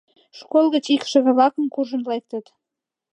Школ гыч икшыве-влак куржын лектыт.